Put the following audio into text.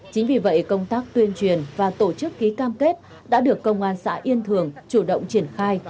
chính vì vậy công tác tuyên truyền và tổ chức ký cam kết đã được công an xã yên thường chủ động triển khai